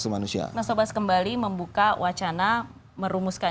nah sobat kembali membuka wacana merumuskan